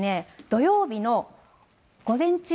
土曜日の午前中。